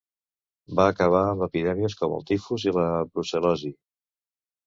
Va acabar amb epidèmies com el tifus i la brucel·losi.